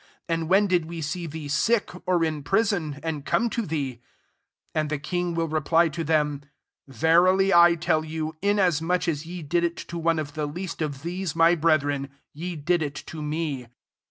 39 And when did we see thee sick, or in pri son, and came to thee ?' 40 And the king will reply to them, 'Verily I tell you, Inasmuck as ye did it to one of the least of these my brethren, ye did ii to me.'